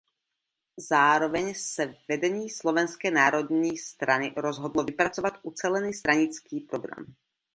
Zároveň se vedení Slovenské národní strany rozhodlo vypracovat ucelený stranický program.